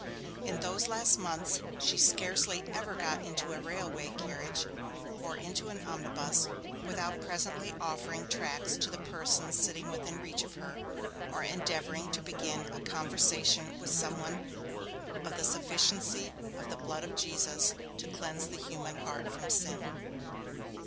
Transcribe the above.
In those last months, she scarcely ever got into a railway carriage or into an omnibus, without presently offering tracts to the persons sitting within reach of her, or endeavouring to begin a conversation with some one of the sufficiency of the Blood of Jesus to cleanse the human heart from sin.